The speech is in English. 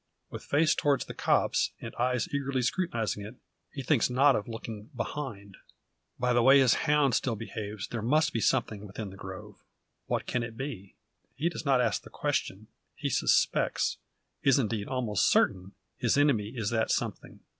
With face towards the copse, and eyes eagerly scrutinising it, he thinks not of looking behind. By the way his hound still behaves, there must be something within the grove. What can it be? He does not ask the question. He suspects is, indeed, almost certain his enemy is that something.